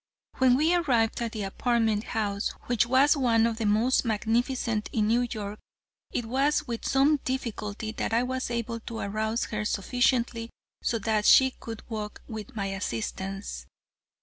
When we arrived at the apartment house, which was one of the most magnificent in New York, it was with some difficulty that I was able to arouse her sufficiently so that she could walk with my assistance.